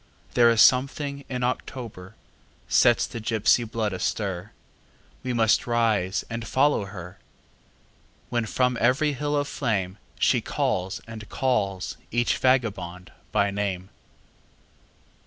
There is something in October sets the gipsy blood astir; We must rise and follow her, When from every hill of flame She calls and calls each vagabond by name.